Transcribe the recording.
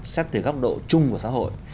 xét từ góc độ chung của xã hội